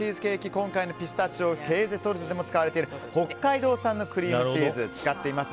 今回のピスタチオ・ケーゼ・トルテにも使われている北海道産のクリームチーズを使っています。